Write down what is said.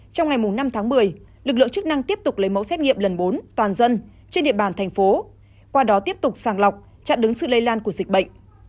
trong ngày năm tháng một mươi lực lượng chức năng tiếp tục lấy mẫu xét nghiệm lần bốn toàn dân trên địa bàn thành phố qua đó tiếp tục sàng lọc chặn đứng sự lây lan của dịch bệnh